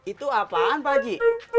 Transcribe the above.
itu apaan pakji